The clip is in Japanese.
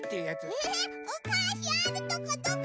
えっおかしあるとこどこ？